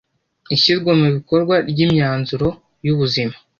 ishyirwa mu bikorwa ry imyanzuro yubuzima